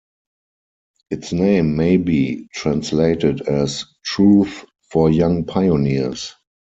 Its name may be translated as "Truth for Young Pioneers".